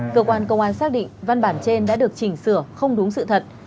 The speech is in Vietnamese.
cơ quan công an xác định văn bản trên đã được chỉnh sửa không đúng sự thật